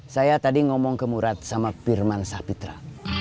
saya tadi ngomong ke murad sama firman sapitra